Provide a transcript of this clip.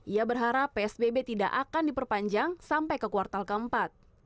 ia berharap psbb tidak akan diperpanjang sampai ke kuartal keempat